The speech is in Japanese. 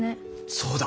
そうだ！